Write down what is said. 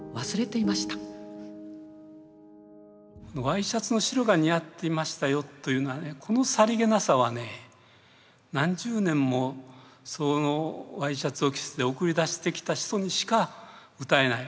「ワイシャツの白が似合ってましたよ」というこのさりげなさは何十年もそのワイシャツを着せて送り出してきた人にしか歌えない。